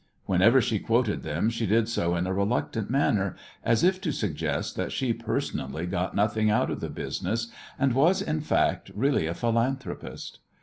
Whenever she quoted them she did so in a reluctant manner, as if to suggest that she personally got nothing out of the business, and was, in fact, really a philanthropist.